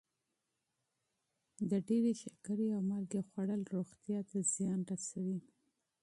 د ډېرې شکرې او مالګې خوړل روغتیا ته زیان رسوي.